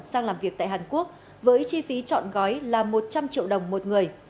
sang làm việc tại hàn quốc với chi phí chọn gói là một trăm linh triệu đồng một người